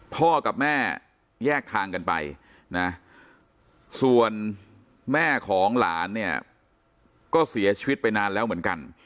พ่อกับแม่แยกทางกันไปนะส่วนแม่ของหลานเนี่ยก็เสียชีวิตไปนานแล้วเหมือนกัน